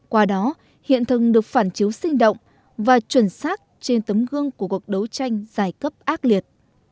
qua đó hiện thực được phản chiếu sinh động và chuẩn xác trên tấm gương của cuộc đấu tranh dài cấp ác liệt